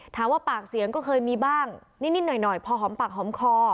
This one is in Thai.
ถามว่าปากเสียงก็เคยมีบ้างนิดหน่อยพอหอมปากหอมคอ